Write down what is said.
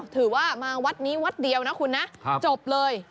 ถือว่ามาวัดนี้วัดเดียวนะคุณนะจบเลย